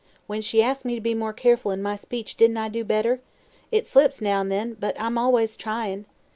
When she asked me to be more careful in my speech didn't I do better? I slips, now an' then, but I'ms always tryin'.